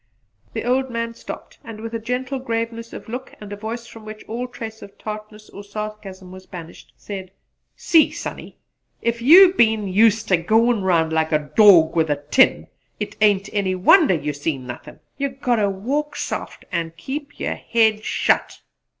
The old man stopped and with a gentle graveness of look and a voice from which all trace of tartness or sarcasm was banished, said, "See, Sonny! If you been useter goin' round like a dawg with a tin it ain't any wonder you seen nothin'. You got ter walk soft an' keep yer head shut!"